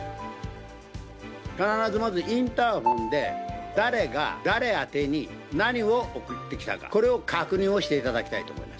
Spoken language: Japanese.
必ず、まずインターホンで誰が誰宛てに何を送ってきたか、これを確認をしていただきたいと思います。